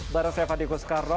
bersama saya fadiko soekarno